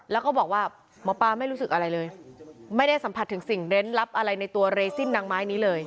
แล้วก็บอกว่าหมอปลาไม่รู้สึกอะไรเลยไม่ได้สัมผัสถึงสิ่งเล่นลับอะไรในตัวเรซินนางไม้นี้เลย